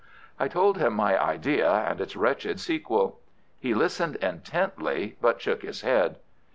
I told him my idea and its wretched sequel. He listened intently, but shook his head.